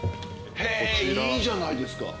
へぇいいじゃないですか。